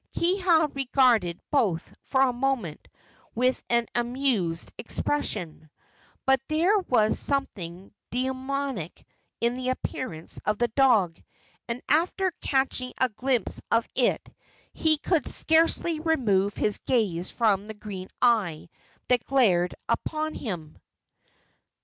Kiha regarded both for a moment with an amused expression; but there was something demoniac in the appearance of the dog, and after catching a glimpse of it he could scarcely remove his gaze from the green eye that glared upon him.